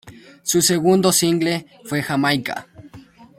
Su segundo single fue "Jamaica".